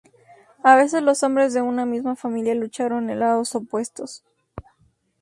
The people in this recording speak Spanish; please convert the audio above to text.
A veces los hombres de una misma familia lucharon en lados opuestos.